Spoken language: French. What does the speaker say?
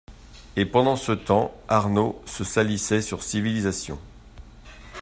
Et pendant ce temps Arnaud se salissait sur Civilization.